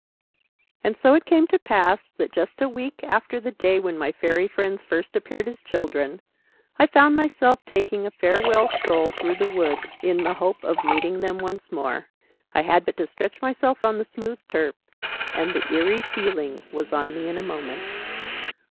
And so it came to pass that, just a week after the day when my Fairy friends first appeared as Children, I found myself taking a farewell stroll through the wood, in the hope of meeting them once more. I had but to stretch myself on the smooth turf, and the 'eerie' feeling was on me in a moment.